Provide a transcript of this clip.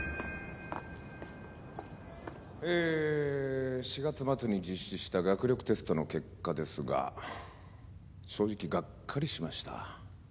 え４月末に実施した学力テストの結果ですが正直がっかりしました。